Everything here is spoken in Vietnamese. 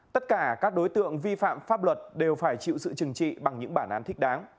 tất cả các đối tượng vi phạm pháp luật đều phải chịu sự chừng trị bằng những bản án thích đáng